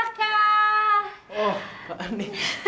oh pak ani